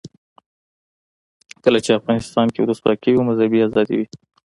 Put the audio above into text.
کله چې افغانستان کې ولسواکي وي مذهبي آزادي وي.